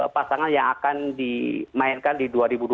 pasangan yang akan dimainkan di dua ribu dua puluh